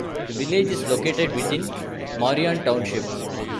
The village is located within Marion Township.